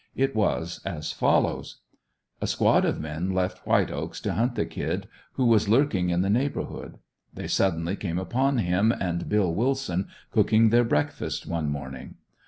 It was as follows: A squad of men left White Oaks to hunt the "Kid" who was lurking in the neighborhood. They suddenly came upon him and Bill Willson cooking their breakfasts, one morning.